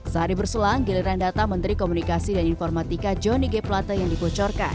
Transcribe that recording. sehari berselang giliran data menteri komunikasi dan informatika johnny g plate yang dibocorkan